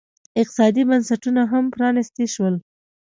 اقتصادي بنسټونه هم پرانیستي شول.